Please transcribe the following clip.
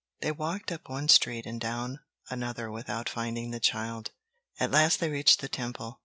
They walked up one street and down another without finding the child. At last they reached the Temple.